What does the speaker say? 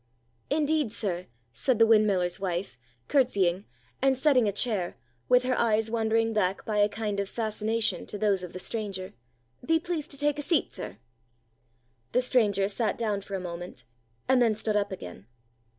"Indeed, sir," said the windmiller's wife, courtesying, and setting a chair, with her eyes wandering back by a kind of fascination to those of the stranger; "be pleased to take a seat, sir." The stranger sat down for a moment, and then stood up again.